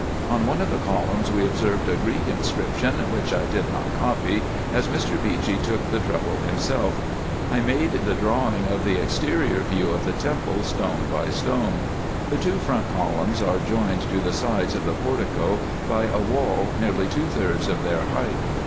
On one of the columns we observed a Greek inscription, which I did not copy, as Mr. Beechey took the trouble himself*. I made the drawing of the exterior view of the temple stone by stone. The two front columns are joined to the sides of the portico by a wall nearly two thirds of their height.